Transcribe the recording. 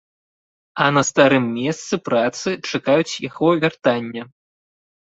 А на старым месцы працы чакаюць яго вяртання.